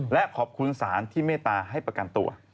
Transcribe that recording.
และขอบคุณศาลที่เมตตาให้ประกันตัว